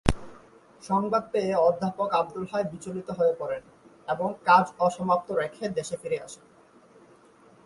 সংবাদ পেয়ে অধ্যাপক আবদুল হাই বিচলিত হয়ে পড়েন এবং কাজ অসমাপ্ত রেখে দেশে ফিরে আসেন।